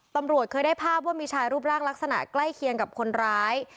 ตำรวจเคยได้ภาพว่ามีชายรูปร่างลักษณะใกล้เคียงกับคนร้าย